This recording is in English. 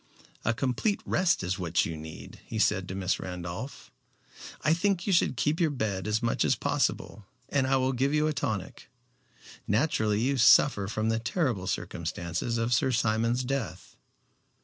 "A complete rest is what you need," he said to Miss Randolph. "I think you should keep to your bed as much as possible, and I will give you a tonic. Naturally you suffer from the terrible circumstances of Sir Simon's death."